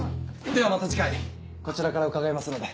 ではまた次回こちらから伺いますので。